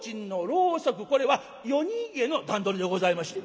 これは夜逃げの段取りでございまして。